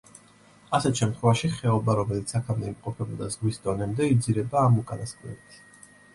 ასეთ შემთხვევაში, ხეობა, რომელიც აქამდე იმყოფებოდა ზღვის დონემდე, იძირება ამ უკანასკნელით.